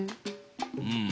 うん。